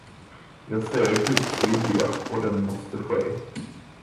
Jag ser Guds vilja, och den måste ske.